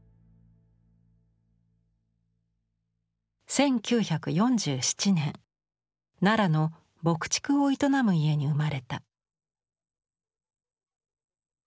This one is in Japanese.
１９４７年奈良の牧畜を営む家に生まれた。